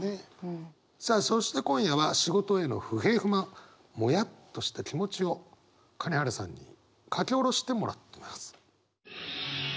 さあそして今夜は仕事への不平不満モヤッとした気持ちを金原さんに書き下ろしてもらってます。